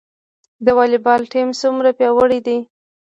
د والیبال ټیم څومره پیاوړی دی؟